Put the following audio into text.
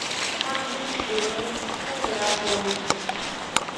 Mar muito plano, choverá pronto.